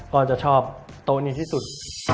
เราจะชอบโตนี้ที่สุด